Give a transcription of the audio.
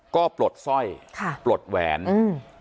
ก็ปลดสร้อยค่ะปลดแหวนอืม